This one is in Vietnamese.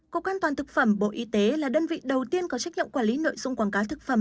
cục an toàn thực phẩm bộ y tế là đơn vị đầu tiên có trách nhiệm quản lý nội dung quảng cáo thực phẩm